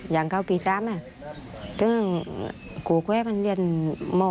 อย่างเข้าปีสามเนี่ยที่นี่คู่ไว้มันเรียนโม้หก